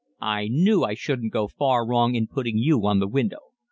"I knew I shouldn't go far wrong in putting you on the window.